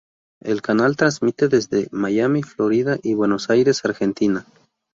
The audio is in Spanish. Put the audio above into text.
El canal transmite desde Miami, Florida y Buenos Aires, Argentina.